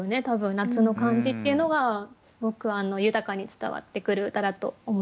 夏の感じっていうのがすごく豊かに伝わってくる歌だと思いました。